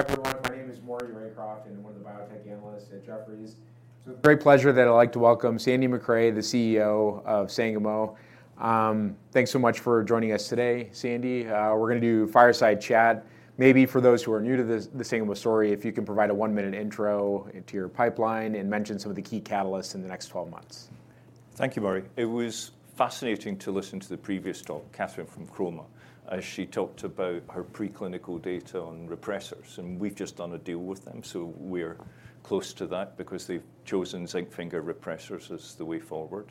Hi, everyone. My name is Maury Raycroft, and I'm one of the biotech analysts at Jefferies. So great pleasure that I'd like to welcome Sandy Macrae, the CEO of Sangamo. Thanks so much for joining us today, Sandy. We're going to do a fireside chat. Maybe for those who are new to this, the Sangamo story, if you can provide a one-minute intro into your pipeline and mention some of the key catalysts in the next 12 months. Thank you, Maury. It was fascinating to listen to the previous talk, Catherine from Chroma, as she talked about her preclinical data on repressors, and we've just done a deal with them, so we're close to that because they've chosen zinc finger repressors as the way forward.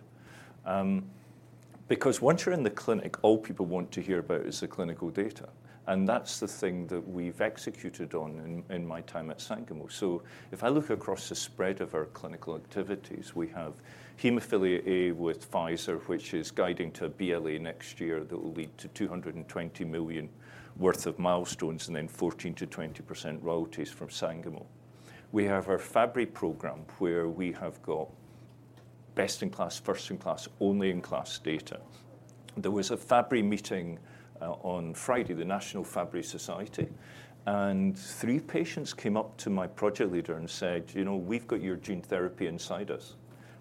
Because once you're in the clinic, all people want to hear about is the clinical data, and that's the thing that we've executed on in, in my time at Sangamo. So if I look across the spread of our clinical activities, we have hemophilia A with Pfizer, which is guiding to a BLA next year that will lead to $220 million worth of milestones and then 14%-20% royalties from Sangamo. We have our Fabry program, where we have got best-in-class, first-in-class, only-in-class data. There was a Fabry meeting on Friday, the National Fabry Disease Foundation, and three patients came up to my project leader and said, "You know, we've got your gene therapy inside us.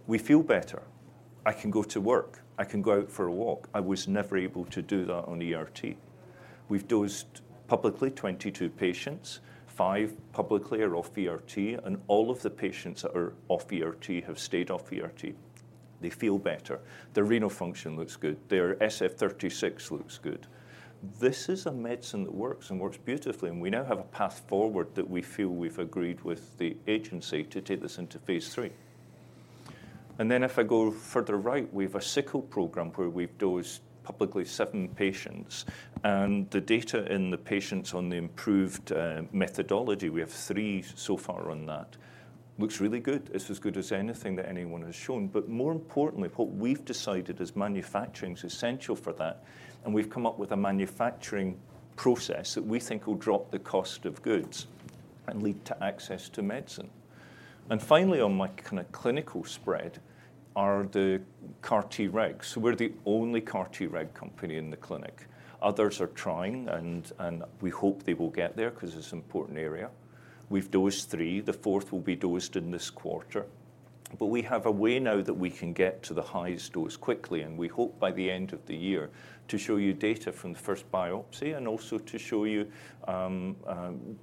We feel better. I can go to work. I can go out for a walk. I was never able to do that on ERT." We've dosed publicly 22 patients, five publicly are off ERT, and all of the patients that are off ERT have stayed off ERT. They feel better. Their renal function looks good. Their SF-36 looks good. This is a medicine that works and works beautifully, and we now have a path forward that we feel we've agreed with the agency to take this into phase III. And then if I go further right, we have a sickle program where we've dosed publicly seven patients, and the data in the patients on the improved methodology, we have three so far on that, looks really good. It's as good as anything that anyone has shown. But more importantly, what we've decided is manufacturing is essential for that, and we've come up with a manufacturing process that we think will drop the cost of goods and lead to access to medicine. And finally, on my kind of clinical spread are the CAR-Tregs. We're the only CAR-Treg company in the clinic. Others are trying, and, and we hope they will get there because it's an important area. We've dosed three. The fourth will be dosed in this quarter. But we have a way now that we can get to the highest dose quickly, and we hope by the end of the year to show you data from the first biopsy and also to show you,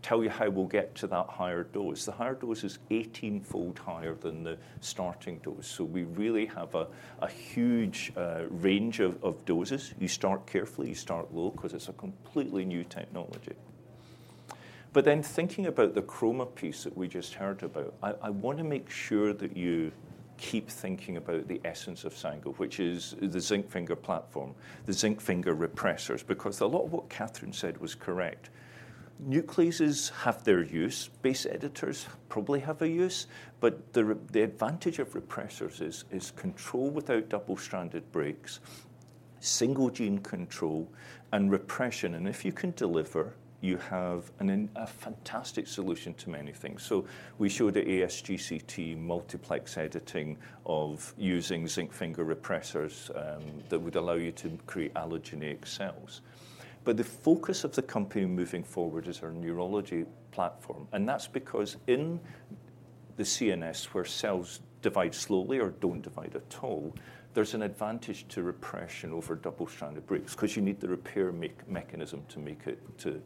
tell you how we'll get to that higher dose. The higher dose is 18-fold higher than the starting dose, so we really have a huge range of doses. You start carefully, you start low because it's a completely new technology. But then thinking about the Chroma piece that we just heard about, I want to make sure that you keep thinking about the essence of Sangamo, which is the zinc finger platform, the zinc finger repressors, because a lot of what Katherine said was correct. Nucleases have their use, base editors probably have a use, but the advantage of repressors is control without double-stranded breaks, single gene control, and repression. And if you can deliver, you have a fantastic solution to many things. So we showed the ASGCT multiplex editing of using zinc finger repressors that would allow you to create allogeneic cells. But the focus of the company moving forward is our neurology platform, and that's because in the CNS, where cells divide slowly or don't divide at all, there's an advantage to repression over double-stranded breaks because you need the repair mechanism to make it to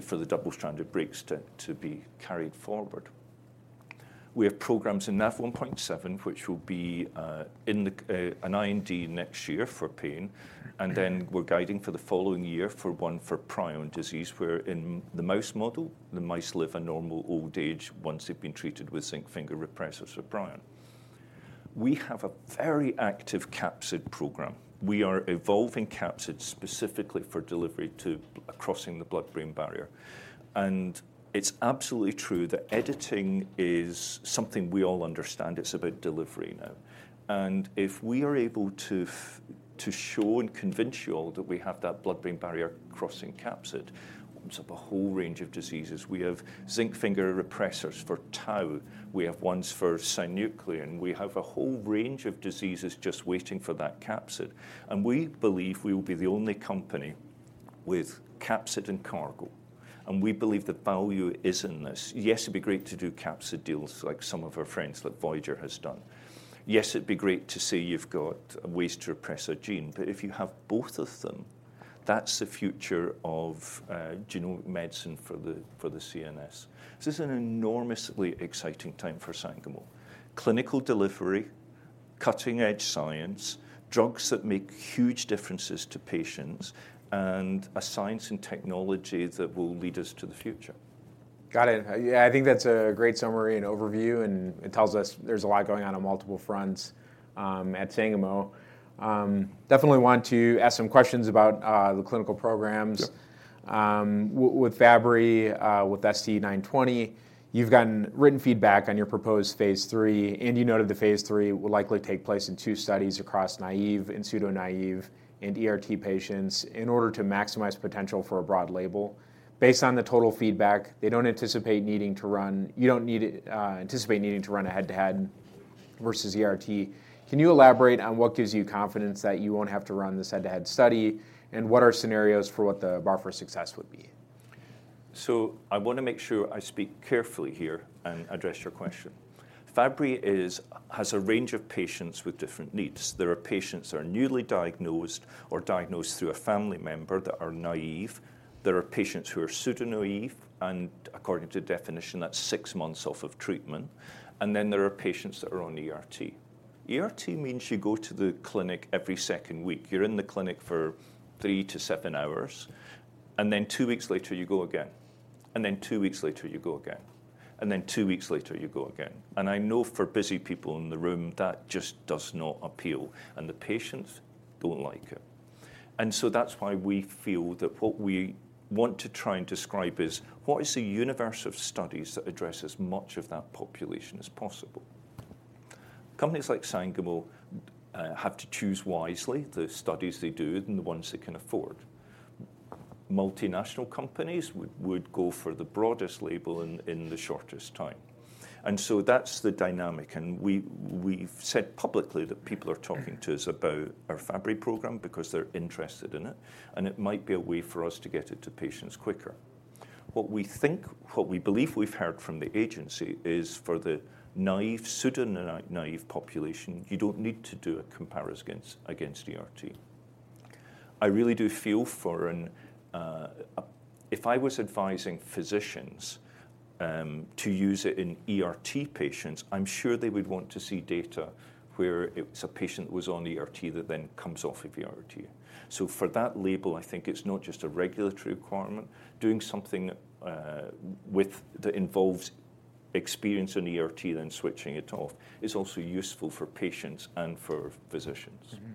for the double-stranded breaks to be carried forward. We have programs in NAV1.7, which will be in an IND next year for pain, and then we're guiding for the following year for IND for prion disease, where in the mouse model, the mice live a normal old age once they've been treated with zinc finger repressors of prion. We have a very active capsid program. We are evolving capsid specifically for delivery to crossing the blood-brain barrier, and it's absolutely true that editing is something we all understand. It's about delivery now. And if we are able to show and convince you all that we have that blood-brain barrier crossing capsid, opens up a whole range of diseases. We have zinc finger repressors for tau. We have ones for synuclein. We have a whole range of diseases just waiting for that capsid, and we believe we will be the only company with capsid and cargo, and we believe the value is in this. Yes, it'd be great to do capsid deals like some of our friends like Voyager has done. Yes, it'd be great to say you've got ways to repress a gene, but if you have both of them, that's the future of genomic medicine for the, for the CNS. This is an enormously exciting time for Sangamo. Clinical delivery, cutting-edge science, drugs that make huge differences to patients, and a science and technology that will lead us to the future. Got it. Yeah, I think that's a great summary and overview, and it tells us there's a lot going on on multiple fronts, at Sangamo. Definitely want to ask some questions about the clinical programs. Yep. With Fabry, with ST-920, you've gotten written feedback on your proposed phase III, and you noted the phase III will likely take place in two studies across naive and pseudo-naive and ERT patients in order to maximize potential for a broad label. Based on the total feedback, you don't anticipate needing to run a head-to-head versus ERT. Can you elaborate on what gives you confidence that you won't have to run this head-to-head study? And what are scenarios for what the bar for success would be? So I want to make sure I speak carefully here and address your question. Fabry has a range of patients with different needs. There are patients that are newly diagnosed or diagnosed through a family member that are naive. There are patients who are pseudo-naive, and according to definition, that's six months off of treatment. And then there are patients that are on ERT. ERT means you go to the clinic every second week. You're in the clinic for 3-7 hours, and then two weeks later, you go again, and then two weeks later, you go again, and then two weeks later, you go again. And I know for busy people in the room, that just does not appeal, and the patients don't like it. And so that's why we feel that what we want to try and describe is, what is a universe of studies that address as much of that population as possible? Companies like Sangamo have to choose wisely the studies they do and the ones they can afford. Multinational companies would go for the broadest label in the shortest time. And so that's the dynamic. And we, we've said publicly that people are talking to us about our Fabry program because they're interested in it, and it might be a way for us to get it to patients quicker. What we think, what we believe we've heard from the agency is for the naive, pseudo-naive population, you don't need to do a comparison against ERT. I really do feel for an... If I was advising physicians to use it in ERT patients, I'm sure they would want to see data where it's a patient who is on ERT that then comes off of ERT. So for that label, I think it's not just a regulatory requirement. Doing something with that involves experience in ERT, then switching it off, is also useful for patients and for physicians. Mm-hmm.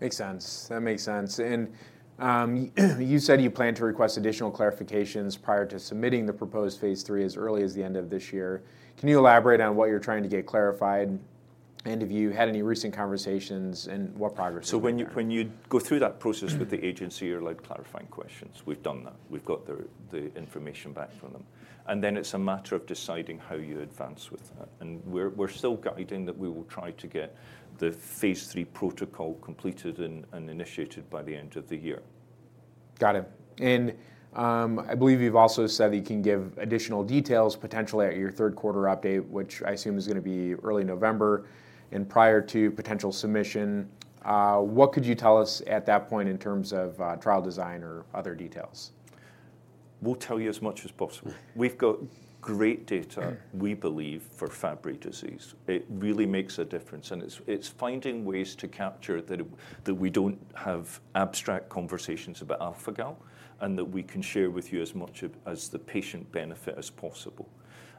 Makes sense. That makes sense. And, you said you plan to request additional clarifications prior to submitting the proposed phase III as early as the end of this year. Can you elaborate on what you're trying to get clarified? And have you had any recent conversations, and what progress has been made? So when you go through that process with the agency, you're allowed clarifying questions. We've done that. We've got the information back from them. And then it's a matter of deciding how you advance with that. And we're still guiding that we will try to get the phase III protocol completed and initiated by the end of the year. Got it. And, I believe you've also said that you can give additional details, potentially at your third quarter update, which I assume is going to be early November and prior to potential submission. What could you tell us at that point in terms of, trial design or other details? We'll tell you as much as possible. We've got great data, we believe, for Fabry disease. It really makes a difference, and it's finding ways to capture that we don't have abstract conversations about alpha-Gal, and that we can share with you as much as the patient benefit as possible.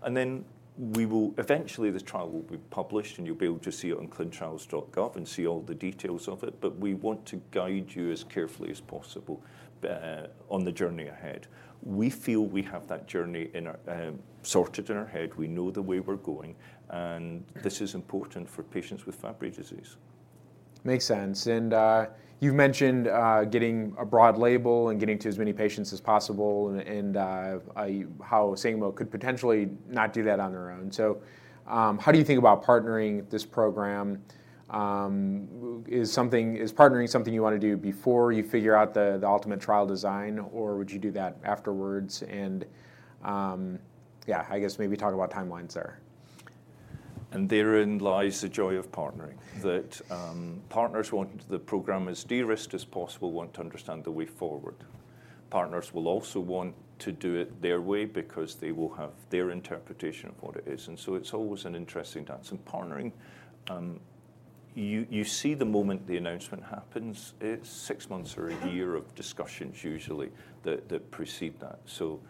And then we will eventually, this trial will be published, and you'll be able to see it on ClinicalTrials.gov and see all the details of it. But we want to guide you as carefully as possible on the journey ahead. We feel we have that journey in our sorted in our head. We know the way we're going, and this is important for patients with Fabry disease. Makes sense. And, you've mentioned getting a broad label and getting to as many patients as possible and how Sangamo could potentially not do that on their own. So, how do you think about partnering this program? Is partnering something you want to do before you figure out the ultimate trial design, or would you do that afterwards? And, yeah, I guess maybe talk about timelines there. Therein lies the joy of partnering, that partners want the program as de-risked as possible, want to understand the way forward. Partners will also want to do it their way because they will have their interpretation of what it is, and so it's always an interesting dance. Partnering, you see the moment the announcement happens. It's six months or a year of discussions usually that precede that. So,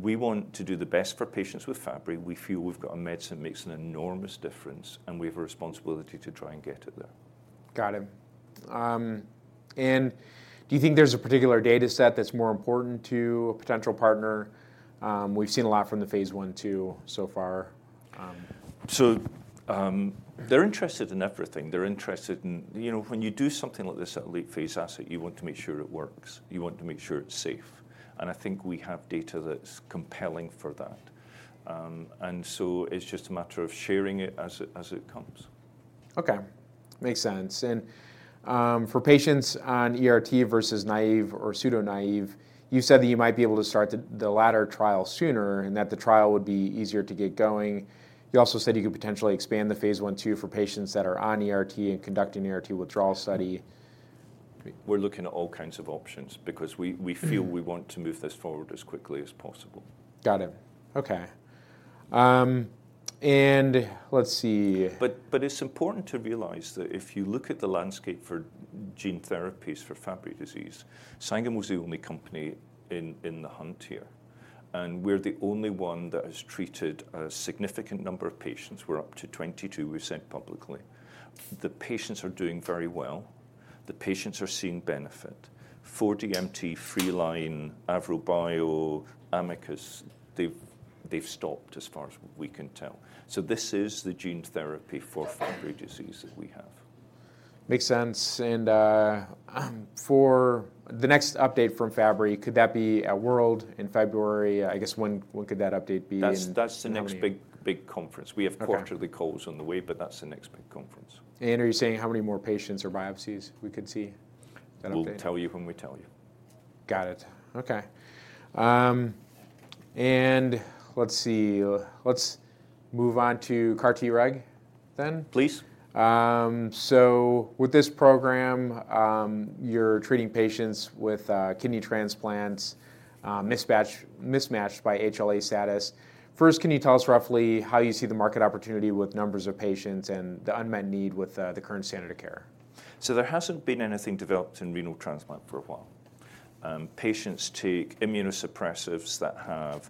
we want to do the best for patients with Fabry. We feel we've got a medicine that makes an enormous difference, and we have a responsibility to try and get it there. Got it. Do you think there's a particular data set that's more important to a potential partner? We've seen a lot from the phase I, II so far. They're interested in everything. They're interested in... You know, when you do something like this, a late-phase asset, you want to make sure it works. You want to make sure it's safe. And I think we have data that's compelling for that. And so it's just a matter of sharing it as it comes. Okay, makes sense. And, for patients on ERT versus naive or pseudo-naive, you said that you might be able to start the latter trial sooner and that the trial would be easier to get going. You also said you could potentially expand the phase I/II for patients that are on ERT and conduct an ERT withdrawal study. We're looking at all kinds of options because we feel we want to move this forward as quickly as possible. Got it. Okay. Let's see- But it's important to realize that if you look at the landscape for gene therapies for Fabry disease, Sangamo is the only company in the hunt here, and we're the only one that has treated a significant number of patients. We're up to 22, we've said publicly. The patients are doing very well. The patients are seeing benefit. 4DMT, Freeline, AvroBio, Amicus, they've stopped as far as we can tell. So this is the gene therapy for Fabry disease that we have.... Makes sense. And, for the next update from Fabry, could that be at World in February? I guess, when could that update be? And- That's the next big conference. Okay. We have quarterly calls on the way, but that's the next big conference. Are you saying how many more patients or biopsies we could see that update? We'll tell you when we tell you. Got it. Okay. And let's see. Let's move on to CAR-Treg then. Please. So with this program, you're treating patients with kidney transplants, mismatched by HLA status. First, can you tell us roughly how you see the market opportunity with numbers of patients and the unmet need with the current standard of care? There hasn't been anything developed in renal transplant for a while. Patients take immunosuppressants that have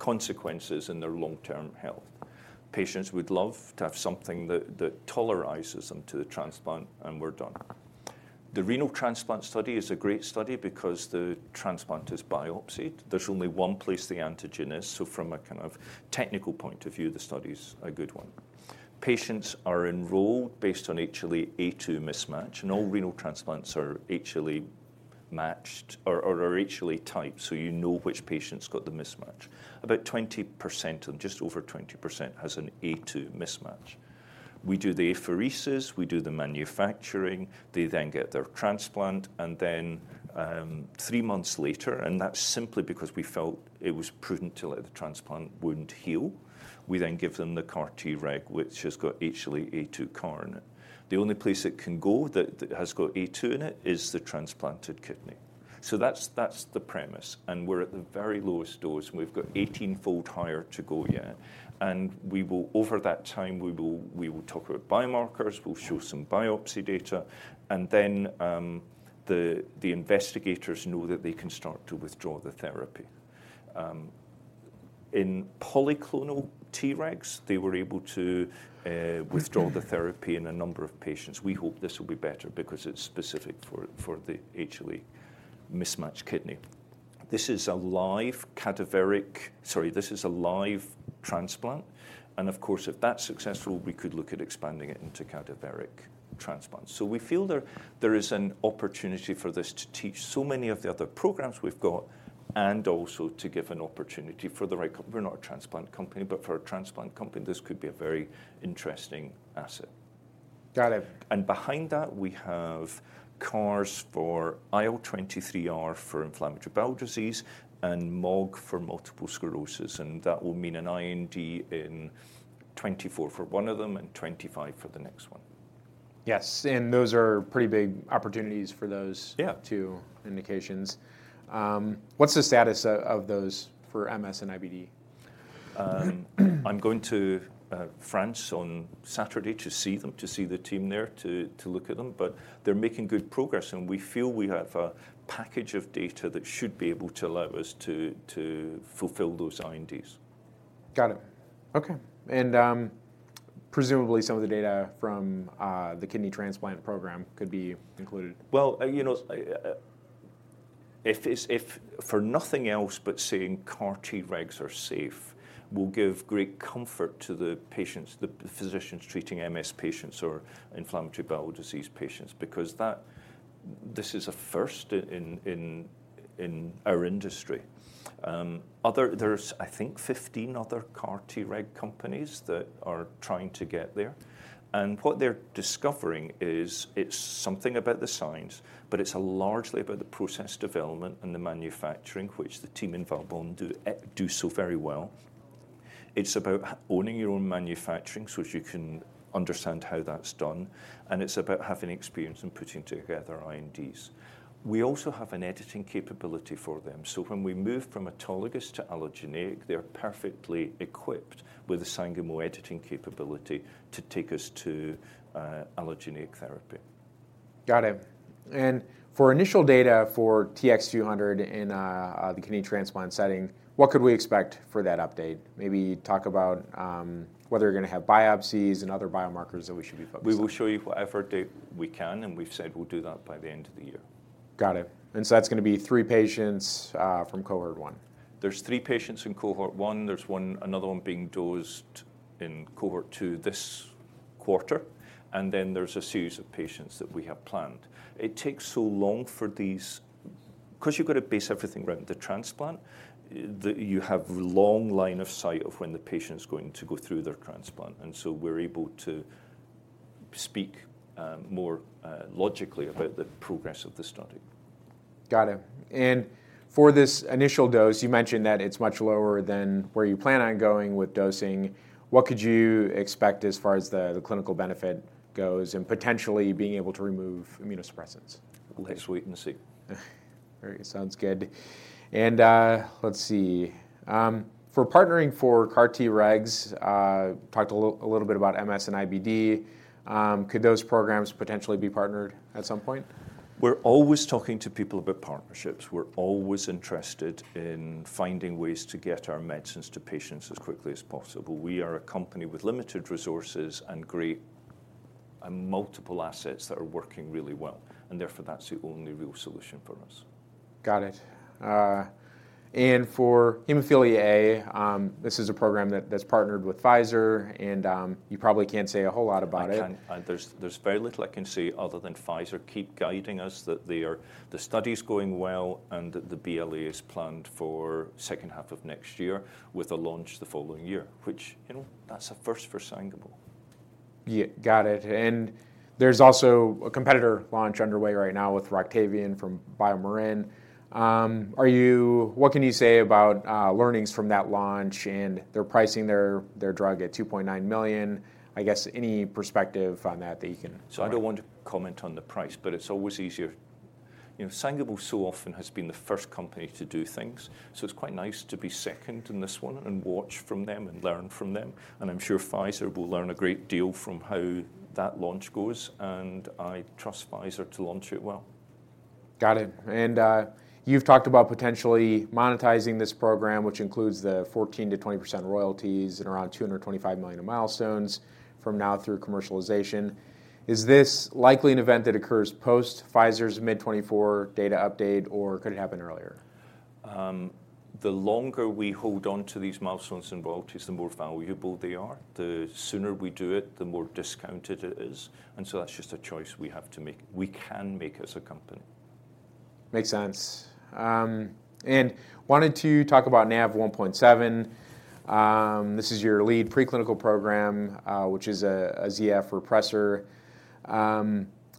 consequences in their long-term health. Patients would love to have something that, that tolerizes them to the transplant, and we're done. The renal transplant study is a great study because the transplant is biopsied. There's only one place the antigen is, so from a kind of technical point of view, the study's a good one. Patients are enrolled based on HLA-A2 mismatch, and all renal transplants are HLA matched or, or are HLA typed, so you know which patient's got the mismatch. About 20% of them, just over 20%, has an A2 mismatch. We do the apheresis, we do the manufacturing, they then get their transplant, and then, three months later, and that's simply because we felt it was prudent to let the transplant wound heal, we then give them the CAR-Treg, which has got HLA-A2 CAR in it. The only place it can go that that has got A2 in it is the transplanted kidney. So that's the premise, and we're at the very lowest dose, and we've got 18-fold higher to go yet. And we will. Over that time, we will talk about biomarkers, we'll show some biopsy data, and then, the investigators know that they can start to withdraw the therapy. In polyclonal Tregs, they were able to withdraw the therapy in a number of patients. We hope this will be better because it's specific for the HLA mismatched kidney. This is a live cadaveric... Sorry, this is a live transplant, and of course, if that's successful, we could look at expanding it into cadaveric transplants. So we feel there is an opportunity for this to teach so many of the other programs we've got, and also to give an opportunity for the right-- We're not a transplant company, but for a transplant company, this could be a very interesting asset. Got it. Behind that, we have CARs for IL-23R for inflammatory bowel disease and MOG for multiple sclerosis, and that will mean an IND in 2024 for one of them and 2025 for the next one. Yes, and those are pretty big opportunities for those- Yeah... two indications. What's the status of those for MS and IBD? I'm going to France on Saturday to see them, to see the team there, to look at them, but they're making good progress, and we feel we have a package of data that should be able to allow us to fulfill those INDs. Got it. Okay, and presumably some of the data from the kidney transplant program could be included? Well, you know, if it's, if for nothing else but saying CAR-Tregs are safe, will give great comfort to the patients, the, the physicians treating MS patients or inflammatory bowel disease patients, because that—this is a first in our industry. Other—there's, I think, 15 other CAR-Treg companies that are trying to get there, and what they're discovering is it's something about the science, but it's largely about the process development and the manufacturing, which the team in Valbonne do so very well. It's about owning your own manufacturing so that you can understand how that's done, and it's about having experience in putting together INDs. We also have an editing capability for them. So when we move from autologous to allogeneic, they're perfectly equipped with the Sangamo editing capability to take us to allogeneic therapy. Got it. And for initial data for TX200 in the kidney transplant setting, what could we expect for that update? Maybe talk about whether you're going to have biopsies and other biomarkers that we should be focusing on. We will show you whatever date we can, and we've said we'll do that by the end of the year. Got it. And so that's going to be three patients from cohort one. There's three patients in cohort one. There's one, another one being dosed in cohort two this quarter, and then there's a series of patients that we have planned. It takes so long for these—because you've got to base everything around the transplant, that you have long line of sight of when the patient is going to go through their transplant. And so we're able to speak, more, logically about the progress of the study. Got it. And for this initial dose, you mentioned that it's much lower than where you plan on going with dosing. What could you expect as far as the clinical benefit goes and potentially being able to remove immunosuppressants? Wait and see. Sounds good. And, let's see. For partnering for CAR-Tregs, talked a little, a little bit about MS and IBD. Could those programs potentially be partnered at some point? We're always talking to people about partnerships. We're always interested in finding ways to get our medicines to patients as quickly as possible. We are a company with limited resources and great and multiple assets that are working really well, and therefore, that's the only real solution for us.... Got it. And for hemophilia A, this is a program that's partnered with Pfizer, and you probably can't say a whole lot about it. I can't. There's very little I can say other than Pfizer keep guiding us, that they are, the study's going well, and the BLA is planned for second half of next year, with a launch the following year, which, you know, that's a first for Sangamo. Yeah, got it. And there's also a competitor launch underway right now with Roctavian from BioMarin. What can you say about learnings from that launch, and they're pricing their, their drug at $2.9 million? I guess any perspective on that, that you can- So I don't want to comment on the price, but it's always easier. You know, Sangamo so often has been the first company to do things, so it's quite nice to be second in this one and watch from them and learn from them. And I'm sure Pfizer will learn a great deal from how that launch goes, and I trust Pfizer to launch it well. Got it. And, you've talked about potentially monetizing this program, which includes the 14%-20% royalties and around $225 million of milestones from now through commercialization. Is this likely an event that occurs post Pfizer's mid-2024 data update, or could it happen earlier? The longer we hold on to these milestones and royalties, the more valuable they are. The sooner we do it, the more discounted it is, and so that's just a choice we have to make, we can make as a company. Makes sense. Wanted to talk about NAV1.7. This is your lead preclinical program, which is a ZF repressor.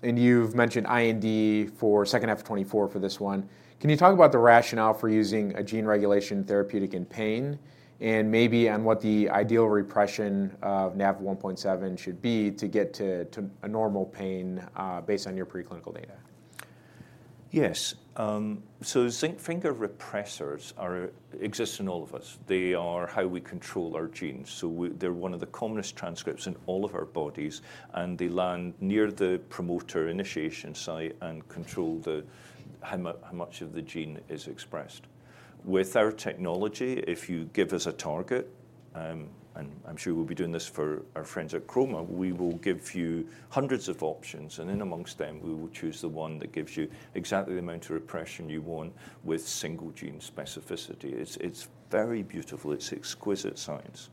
You've mentioned IND for second half of 2024 for this one. Can you talk about the rationale for using a gene regulation therapeutic in pain, and maybe on what the ideal repression of NAV1.7 should be to get to a normal pain, based on your preclinical data? Yes. So zinc finger repressors exist in all of us. They are how we control our genes, so they're one of the commonest transcripts in all of our bodies, and they land near the promoter initiation site and control how much of the gene is expressed. With our technology, if you give us a target, and I'm sure we'll be doing this for our friends at Chroma, we will give you hundreds of options, and in amongst them, we will choose the one that gives you exactly the amount of repression you want with single gene specificity. It's very beautiful. It's exquisite science.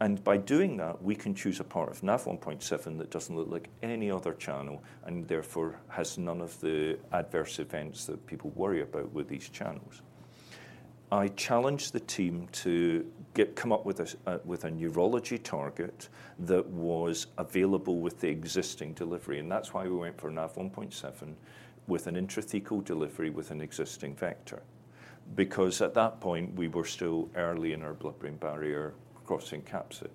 And by doing that, we can choose a part of NAV1.7 that doesn't look like any other channel, and therefore has none of the adverse events that people worry about with these channels. I challenged the team to come up with a neurology target that was available with the existing delivery, and that's why we went for NAV1.7 with an intrathecal delivery with an existing vector. Because at that point, we were still early in our blood-brain barrier crossing capsid.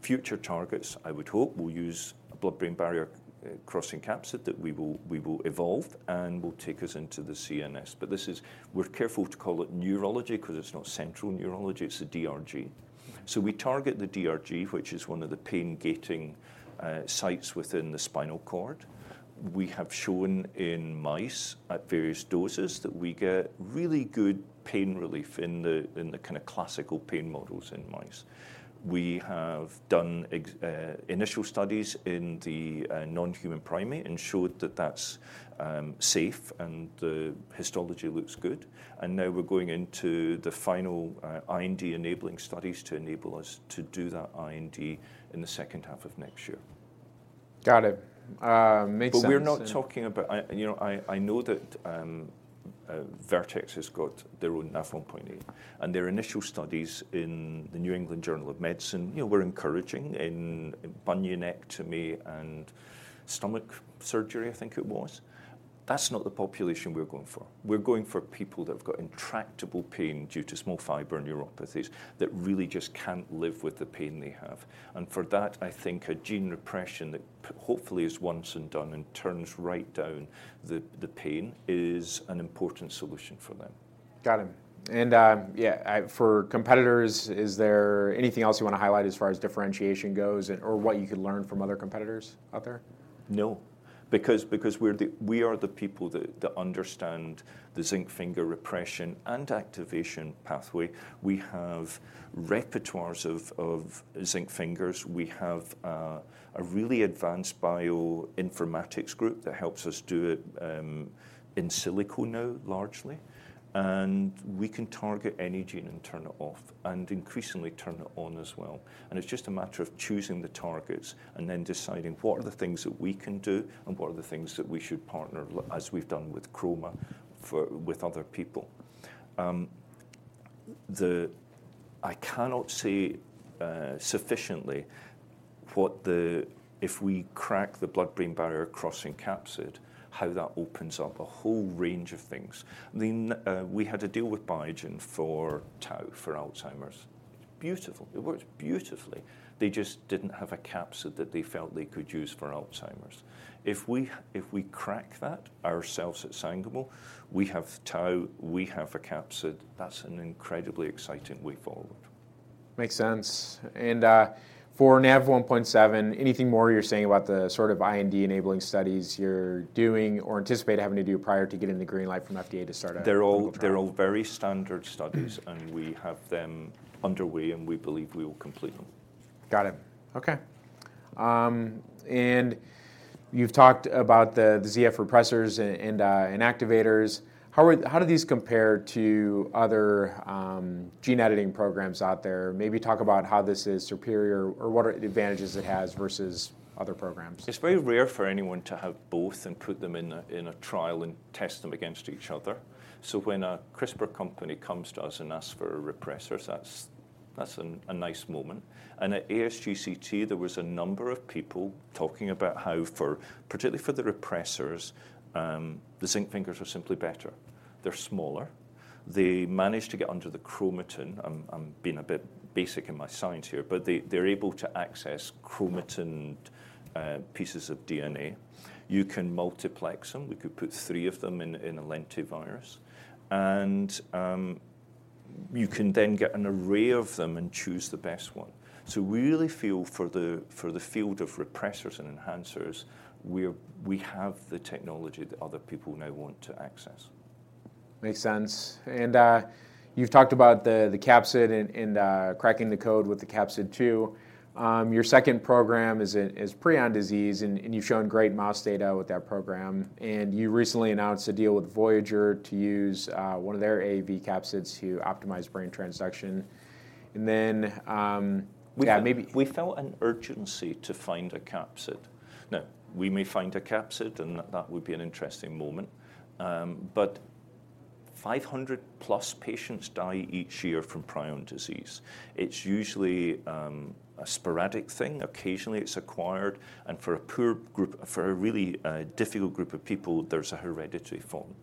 Future targets, I would hope, will use a blood-brain barrier crossing capsid that we will evolve and will take us into the CNS. But this is... We're careful to call it neurology because it's not central neurology, it's a DRG. So we target the DRG, which is one of the pain gating sites within the spinal cord. We have shown in mice at various doses that we get really good pain relief in the kind of classical pain models in mice. We have done ex initial studies in the non-human primate and showed that that's safe and the histology looks good. And now we're going into the final IND-enabling studies to enable us to do that IND in the second half of next year. Got it. Makes sense- But we're not talking about... I, you know, I know that, Vertex has got their own NAV1.8, and their initial studies in the New England Journal of Medicine, you know, were encouraging in bunionectomy and stomach surgery, I think it was. That's not the population we're going for. We're going for people that have got intractable pain due to small fiber neuropathies that really just can't live with the pain they have. And for that, I think a gene repression that hopefully is once and done and turns right down the, the pain is an important solution for them. Got it. And, yeah, for competitors, is there anything else you want to highlight as far as differentiation goes, or what you could learn from other competitors out there? No, because we're the people that understand the zinc finger repression and activation pathway. We have repertoires of zinc fingers. We have a really advanced bioinformatics group that helps us do it in silico now, largely. And we can target any gene and turn it off and increasingly turn it on as well. And it's just a matter of choosing the targets and then deciding what are the things that we can do and what are the things that we should partner as we've done with Chroma with other people. I cannot say sufficiently what if we crack the blood-brain barrier crossing capsid, how that opens up a whole range of things. Then we had to deal with Biogen for tau, for Alzheimer's. Beautiful. It worked beautifully. They just didn't have a capsid that they felt they could use for Alzheimer's. If we, if we crack that ourselves at Sangamo, we have tau, we have a capsid, that's an incredibly exciting way forward. Makes sense. And, for NAV1.7, anything more you're saying about the sort of IND-enabling studies you're doing or anticipate having to do prior to getting the green light from FDA to start a- They're all, they're all very standard studies, and we have them underway, and we believe we will complete them.... Got it. Okay. And you've talked about the, the ZF repressors and activators. How do these compare to other gene editing programs out there? Maybe talk about how this is superior or what are the advantages it has versus other programs. It's very rare for anyone to have both and put them in a trial and test them against each other. So when a CRISPR company comes to us and asks for a repressor, that's a nice moment. And at ASGCT, there was a number of people talking about how particularly for the repressors, the zinc fingers are simply better. They're smaller. They manage to get under the chromatin. I'm being a bit basic in my science here, but they're able to access chromatin pieces of DNA. You can multiplex them. We could put three of them in a lentivirus, and you can then get an array of them and choose the best one. So we really feel for the field of repressors and enhancers, we have the technology that other people now want to access. Makes sense. And you've talked about the capsid and cracking the code with the capsid, too. Your second program is prion disease, and you've shown great mouse data with that program. And you recently announced a deal with Voyager to use one of their AAV capsids to optimize brain transduction. And then, yeah, maybe- We felt an urgency to find a capsid. Now, we may find a capsid, and that would be an interesting moment. But 500+ patients die each year from prion disease. It's usually a sporadic thing. Occasionally, it's acquired, and for a poor group, for a really, difficult group of people, there's a hereditary form.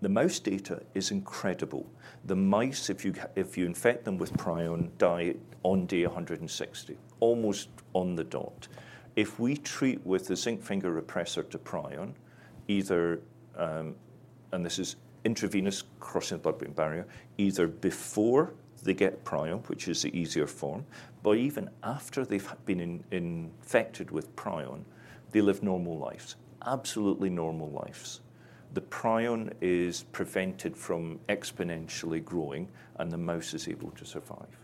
The mouse data is incredible. The mice, if you infect them with prion, die on day 160, almost on the dot. If we treat with the zinc finger repressor to prion, either. And this is intravenous crossing the blood-brain barrier, either before they get prion, which is the easier form, but even after they've been infected with prion, they live normal lives, absolutely normal lives. The prion is prevented from exponentially growing, and the mouse is able to survive.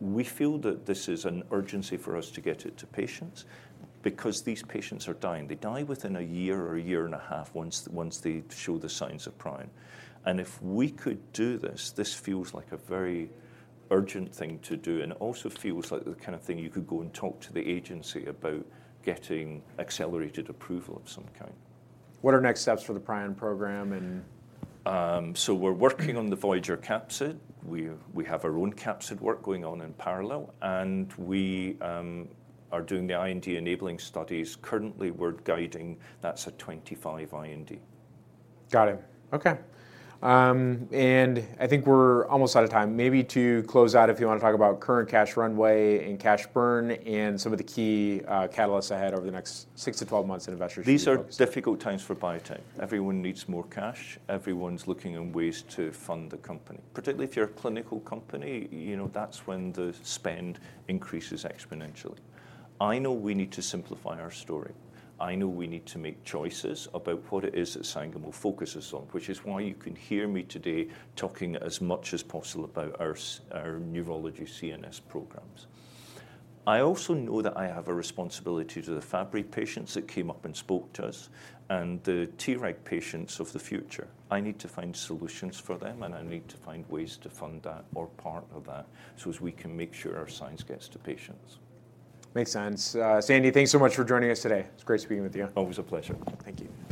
We feel that this is an urgency for us to get it to patients because these patients are dying. They die within a year or a year and a half once they show the signs of prion. If we could do this, this feels like a very urgent thing to do, and it also feels like the kind of thing you could go and talk to the agency about getting accelerated approval of some kind. What are next steps for the prion program, and...? We're working on the Voyager capsid. We have our own capsid work going on in parallel, and we are doing the IND enabling studies. Currently, we're guiding that's a 2025 IND. Got it. Okay. I think we're almost out of time. Maybe to close out, if you want to talk about current cash runway and cash burn and some of the key catalysts ahead over the next 6-12 months that investors should focus. These are difficult times for biotech. Everyone needs more cash. Everyone's looking at ways to fund the company, particularly if you're a clinical company. You know, that's when the spend increases exponentially. I know we need to simplify our story. I know we need to make choices about what it is that Sangamo focuses on, which is why you can hear me today talking as much as possible about our our neurology CNS programs. I also know that I have a responsibility to the Fabry patients that came up and spoke to us and the Treg patients of the future. I need to find solutions for them, and I need to find ways to fund that or part of that, so as we can make sure our science gets to patients. Makes sense. Sandy, thanks so much for joining us today. It's great speaking with you. Always a pleasure. Thank you.